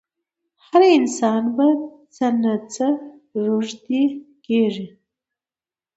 هر انسان په څه نه څه روږدی کېږي.